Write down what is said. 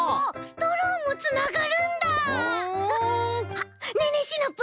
ねえねえシナプー。